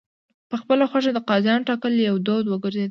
په خپله خوښه د قاضیانو ټاکل یو دود وګرځېد.